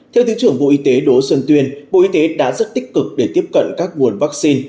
theo thứ trưởng bộ y tế đỗ xuân tuyên bộ y tế đã rất tích cực để tiếp cận các nguồn vaccine